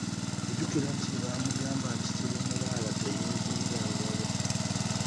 Jjukira nti baamugamba nti, kirimulaala teyeegulira ngabo.